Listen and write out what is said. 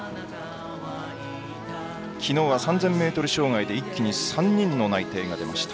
きのうは３０００ｍ障害で一気に３人の内定が出ました。